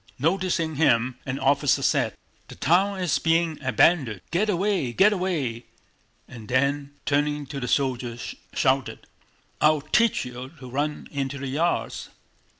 Noticing him, an officer said: "The town is being abandoned. Get away, get away!" and then, turning to the soldiers, shouted: "I'll teach you to run into the yards!"